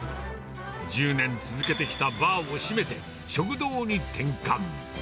１０年続けてきたバーを閉めて、食堂に転換。